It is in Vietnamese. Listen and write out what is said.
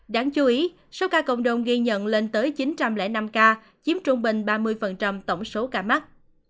đáng chú ý số ca cộng đồng ghi nhận lên tới chín trăm linh năm ca chiếm trung bình ba mươi tổng số ca mắc